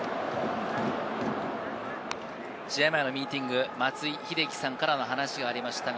試合前のミーティング、松井秀喜さんからの話がありましたが。